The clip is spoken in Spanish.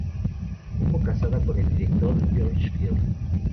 Estuvo casada con el actor George Field.